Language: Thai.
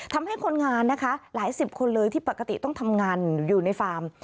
ทำให้คนงานนะคะหลายสิบคนเลยที่ปกติต้องทำงานอยู่ในฟาร์ม